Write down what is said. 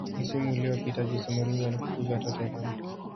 msimu uliopita jose mourinho alifukuzwa tottenham